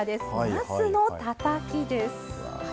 なすのたたきです。